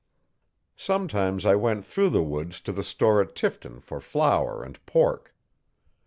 Sometimes I went through the woods to the store at Tifton for flour and pork.